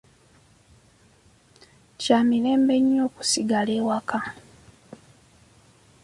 Kya mirembe nnyo okusigala awaka.